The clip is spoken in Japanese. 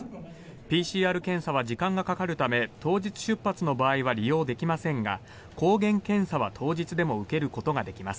ＰＣＲ検査は時間がかかるため当日出発の場合は利用できませんが、抗原検査は当日でも受けることができます。